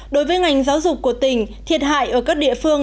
đối với ngành giáo dục của tỉnh thiệt hại ở các địa phương